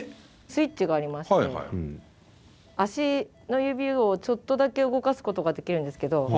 スイッチがありまして足の指をちょっとだけ動かすことができるんですけど。